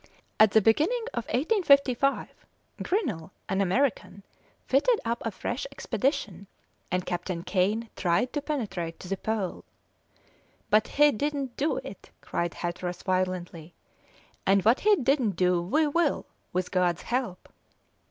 At the beginning of 1855, Grinnell, an American, fitted up a fresh expedition, and Captain Kane tried to penetrate to the Pole " "But he didn't do it," cried Hatteras violently; "and what he didn't do we will, with God's help!"